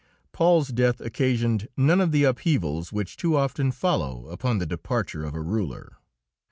Paul's death occasioned none of the upheavals which too often follow upon the departure of a ruler.